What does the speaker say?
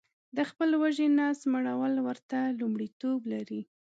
د خپل وږي نس مړول ورته لمړیتوب لري